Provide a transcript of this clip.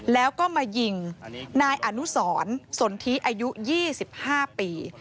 แล้วก็มายิงนายอนุสรสนทิอายุ๒๕ปี